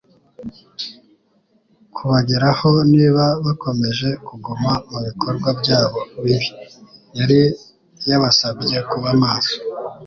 kubageraho niba bakomeje kuguma mu bikorwa byabo bibi, yari yabasabye kuba maso.